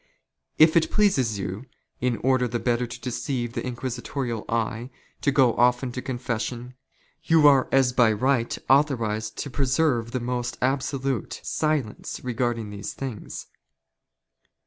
If it pleases you, in order the '"' better to deceive the inquisitorial eye, to go often to confession, " you are, as by right authorised, to preserve the most absolute " silence regarding these things.